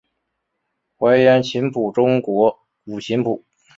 愧庵琴谱中国古琴谱。